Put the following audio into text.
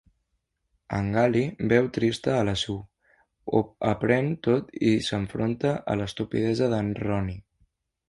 En Gally veu trista a la Sue, ho aprèn tot i s'enfronta a l'estupidesa d'en Ronnie.